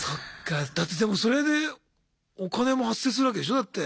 だってでもそれでお金も発生するわけでしょだって。